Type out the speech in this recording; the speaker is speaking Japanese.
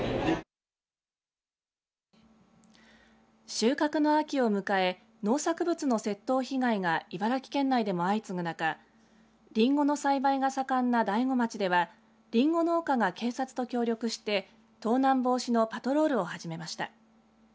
収穫の秋を迎え農作物の窃盗被害が茨城県内でも相次ぐ中りんごの栽培が盛んな大子町ではりんご農家が警察と協力して盗難防止のパトロールを始めました。